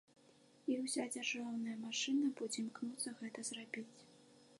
І ўся дзяржаўная машына будзе імкнуцца гэта зрабіць.